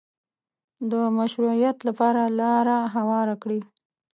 د مشروعیت لپاره لاره هواره کړي